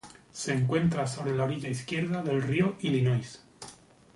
Se encuentra sobre la orilla izquierda del río Illinois.